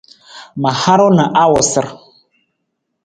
Ma haru na awusar.